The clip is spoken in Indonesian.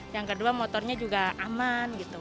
yang kedua motornya juga aman gitu